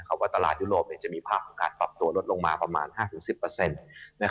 ว่าตลาดยุโรปจะมีภาพของการปรับตัวลดลงมาประมาณ๕๑๐